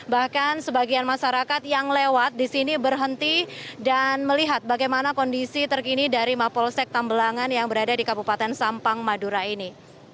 bahkan sebagian masyarakat yang lewat di sini berhenti dan melihat bagaimana kondisi terkini dari mapolsek tambelangan yang berada di kabupaten sampang madura ini